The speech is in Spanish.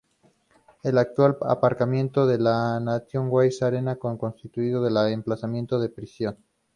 El actual aparcamiento del Nationwide Arena está construido en el emplazamiento de la prisión.